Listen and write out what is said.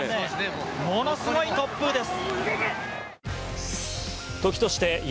ものすごい突風です。